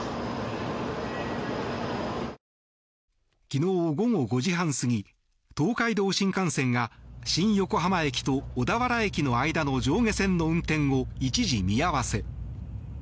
昨日午後５時半過ぎ東海道新幹線が新横浜駅と小田原駅の間の上下線の運転を一時見合わせ。